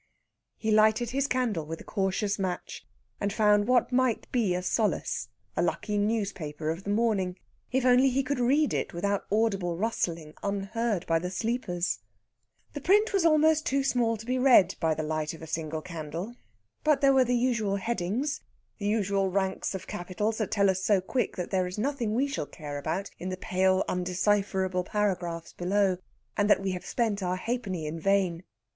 He lighted his candle with a cautious match, and found what might be a solace a lucky newspaper of the morning. If only he could read it without audible rustling, unheard by the sleepers! The print was almost too small to be read by the light of a single candle; but there were the usual headings, the usual ranks of capitals that tell us so quick that there is nothing we shall care about in the pale undecipherable paragraphs below, and that we have spent our halfpenny in vain.